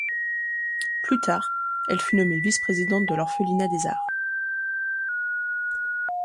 Plus tard, elle fut nommée vice-présidente de l'Orphelinat des Arts.